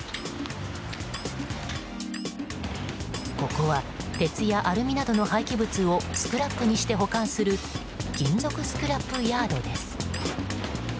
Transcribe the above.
ここは鉄やアルミなどの廃棄物をスクラップにして保管する金属スクラップヤードです。